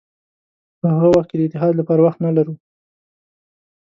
په هغه وخت کې د اتحاد لپاره وخت نه لرو.